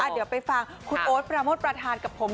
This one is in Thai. เดี๋ยวไปฟังคุณโอ๊ตปราโมทประธานกับผม